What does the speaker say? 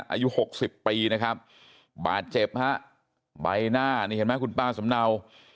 อายุหกสิบปีนะครับบาดเจ็บฮะใบหน้านี่เห็นไหมคุณป้าสำเนา